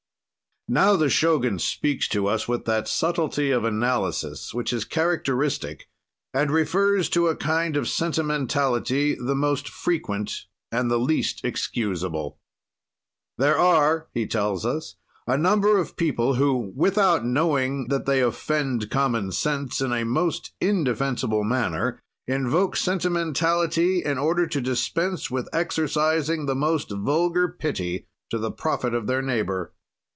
Now the Shogun speaks to us with that subtlety of analysis which is characteristic and refers to a kind of sentimentality the most frequent and the least excusable. "There are," he tells us, "a number of people who, without knowing that they offend common sense in a most indefensible manner, invoke sentimentality in order to dispense with exercising the most vulgar pity, to the profit of their neighbor.